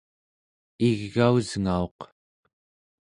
igausngauq